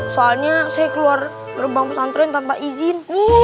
soalnya saya keluar lubang pesantren tanpa izin